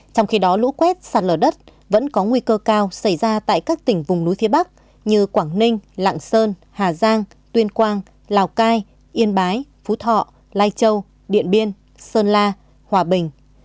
trong khi đó lũ quét sạt lở đất vẫn có nguy cơ cao xảy ra tại các tỉnh vùng núi phía bắc như quảng ninh lạng sơn hà giang tuyên quang lào cai yên bái phú thọ lai châu điện biên sơn la hòa bình